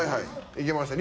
いけました。